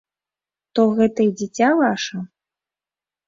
То гэта і дзіця ваша?